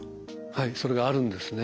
はいそれがあるんですね。